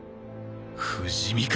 不死身か？